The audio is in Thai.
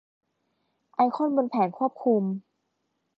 ไอคอนบนแผงควบคุม